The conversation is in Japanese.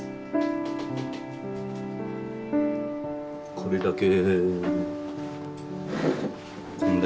これだけ。